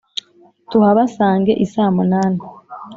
Tuhabasange isamunani!"